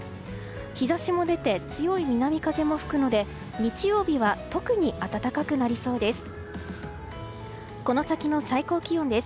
日差しも出て強い南風も吹くので日曜日は特に暖かくなりそうです。